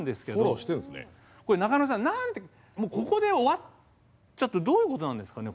これ中野さん何でここで終わっちゃってどういうことなんですかね？